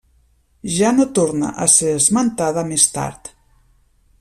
Ja no torna a ser esmentada més tard.